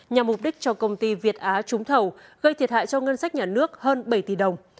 nhằm mục đích cho công ty việt á trúng thầu gây thiệt hại cho ngân sách nhà nước hơn bảy tỷ đồng